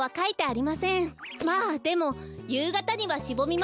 まあでもゆうがたにはしぼみますから。